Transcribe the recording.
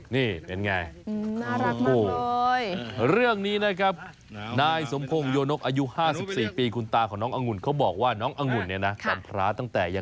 นี่เป็นอย่างไรโอ้โหน่ารักมากเลย